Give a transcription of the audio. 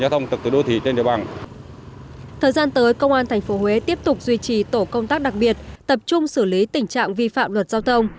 thời gian tới công an tp huế tiếp tục duy trì tổ công tác đặc biệt tập trung xử lý tình trạng vi phạm luật giao thông